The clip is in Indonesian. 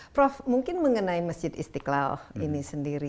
prof mungkin mengenai masjid istiqlal ini sendiri